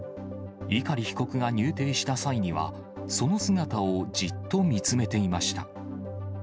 碇被告が入廷した際には、その姿をじっと見つめていました。